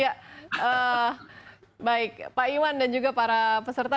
demikianlah sesi tanya jawab ini bersama pak iwan dan juga para peserta